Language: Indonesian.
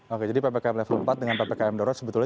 oke jadi ppkm level empat dengan ppkm darurat sebetulnya